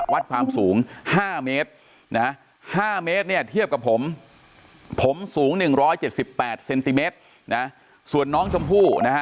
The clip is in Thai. วัดความสูง๕เมตรนะ๕เมตรเนี่ยเทียบกับผมผมสูง๑๗๘เซนติเมตรนะส่วนน้องชมพู่นะฮะ